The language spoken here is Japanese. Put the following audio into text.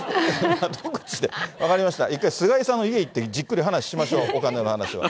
分かりました、１回、菅井さんの家に行って、じっくり話しましょう、お金の話は。